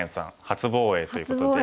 初防衛ということで。